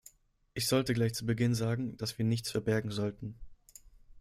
Ich sollte gleich zu Beginn sagen, dass wir nichts verbergen sollten.